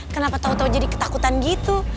kenapa tau tau jadi ketakutan gitu